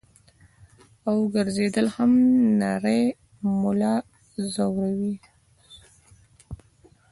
او ګرځېدل هم نرۍ ملا زوري -